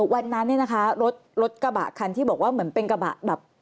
วันนั้นเนี่ยนะคะรถกระบะคันที่บอกว่าเหมือนเป็นกระบะแบบ